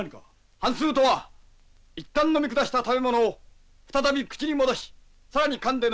反すうとは一旦飲み下した食べ物を再び口に戻し更にかんで飲み込む。